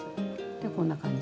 でこんな感じ。